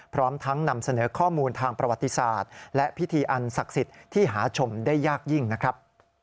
พร้อมทั้งนำเสนอข้อมูลทางประวัติศาสตร์และพิธีอันศักดิ์สิทธิ์ที่หาชมได้ยากยิ่งนะครับ